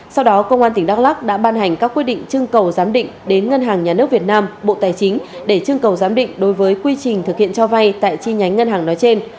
sau đó công an tỉnh đắk lắc đã ban hành các quyết định trưng cầu giám định đến ngân hàng nhà nước việt nam bộ tài chính để chương cầu giám định đối với quy trình thực hiện cho vay tại chi nhánh ngân hàng nói trên